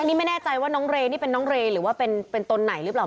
อันนี้ไม่แน่ใจว่าน้องเรนี่เป็นน้องเรย์หรือว่าเป็นตนไหนหรือเปล่า